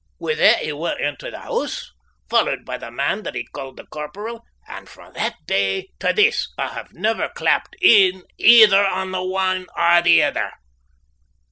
Wi' that he went intae the hoose, followed by the man that he ca'ed the corporal, and frae that day tae this I have never clapped een either on the ane or the ither.